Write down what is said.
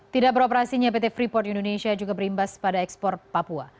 tidak beroperasinya pt freeport indonesia juga berimbas pada ekspor papua